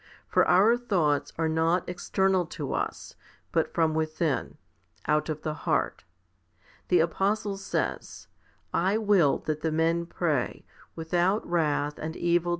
For our thoughts are not external to us, but from within, out of the heart. The apostle says, / will that the men pray, without wrath and evil disputations.